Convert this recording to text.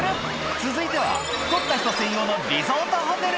続いては、太った人専用のリゾートホテル。